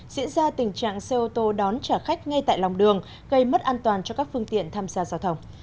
diễn ra tình trạng xe ô tô đón trả khách ngay tại lòng đường gây mất an toàn cho các phương tiện tham gia giao thông